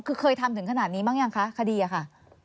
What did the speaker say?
คือเคยทำถึงขนาดนี้บ้างยังคะคดีอะค่ะ